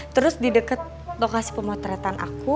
terus di dekat lokasi pemotretan aku